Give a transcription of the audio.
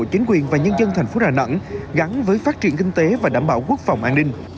chính quyền và nhân dân thành phố đà nẵng gắn với phát triển kinh tế và đảm bảo quốc phòng an ninh